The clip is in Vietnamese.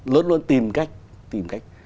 luôn luôn tìm cách